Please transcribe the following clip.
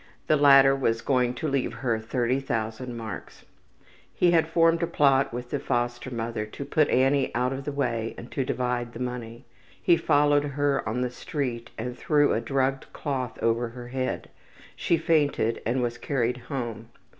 The latter was going to leave her 30,000 marks. He had formed a plot with the foster mother to put Annie out of the way and to divide the money. He followed her on the street and threw a drugged cloth over her head. She fainted and was carried home.